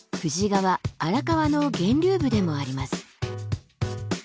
荒川の源流部でもあります。